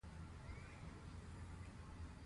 که ته همدا اوس همدغه خط لوستلی شې.